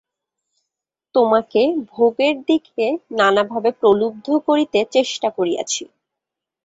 তোমাকে ভোগের দিকে নানাভাবে প্রলুব্ধ করিতে চেষ্টা করিয়াছি।